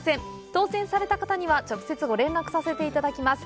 当せんされた方には直接、ご連絡させていただきます。